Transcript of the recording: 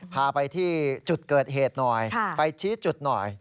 พาไปที่จุดเกิดเหตุหน่อยไปชี้จุดหน่อย